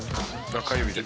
中指で」